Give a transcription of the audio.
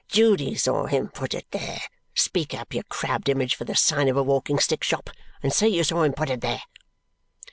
Judy saw him put it there. Speak up, you crabbed image for the sign of a walking stick shop, and say you saw him put it there!"